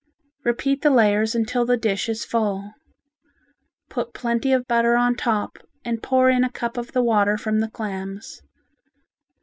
Repeat the layers until the dish is full. Put plenty of butter on top and pour in a cup of the water from the clams.